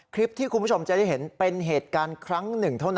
คลิปที่คุณผู้ชมจะได้เห็นเป็นเหตุการณ์๑